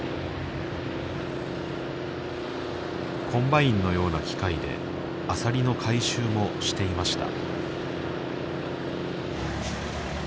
コンバインのような機械でアサリの回収もしていました